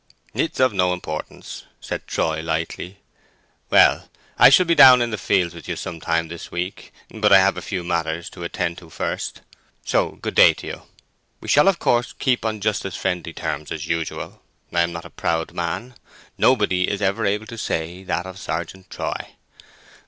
"It is of no importance," said Troy, lightly. "Well, I shall be down in the fields with you some time this week; but I have a few matters to attend to first. So good day to you. We shall, of course, keep on just as friendly terms as usual. I'm not a proud man: nobody is ever able to say that of Sergeant Troy.